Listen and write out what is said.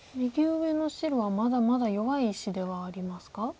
右上の白はまだまだ弱い石ではありますか？